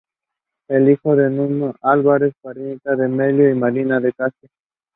The overall appearance is slender.